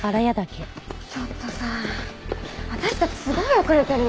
ちょっとさ私たちすごい遅れてるよ。